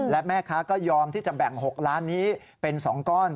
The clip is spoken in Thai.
และแม่ค้าก็ยอมที่จะแบ่ง๖ล้านนี้เป็น๒ก้อน